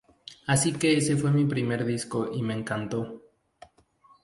Así que ese fue mi primer disco y me encantó".